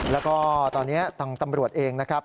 แล้วก็ตอนนี้ทางตำรวจเองนะครับ